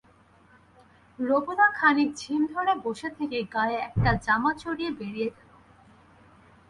রবুদা খানিক ঝিম ধরে বসে থেকে গায়ে একটা জামা চড়িয়ে বেরিয়ে গেল।